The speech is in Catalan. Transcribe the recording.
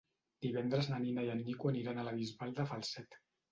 Divendres na Nina i en Nico aniran a la Bisbal de Falset.